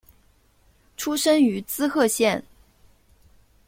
出身于滋贺县。